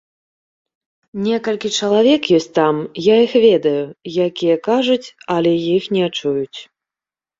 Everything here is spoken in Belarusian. Некалькі чалавек ёсць там, я іх ведаю, якія кажуць, але іх не чуюць.